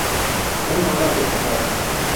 Un "Hola, como estas?